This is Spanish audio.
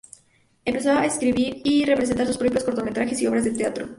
Empezó a escribir y representar sus propios cortometrajes y obras de teatro.